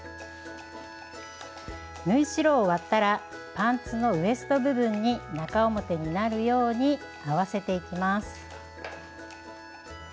縫い代を割ったらパンツのウエスト部分に中表になるように合わせていきます。